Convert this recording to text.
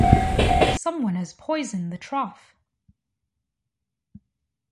Someone has poisoned the trough!